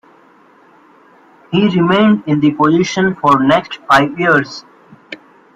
He remained in the position for the next five years.